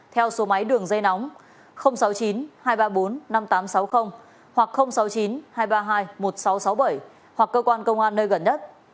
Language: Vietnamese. theo số máy đường dây nóng sáu mươi chín hai trăm ba mươi bốn năm nghìn tám trăm sáu mươi hoặc sáu mươi chín hai trăm ba mươi hai một nghìn sáu trăm sáu mươi bảy hoặc cơ quan công an nơi gần nhất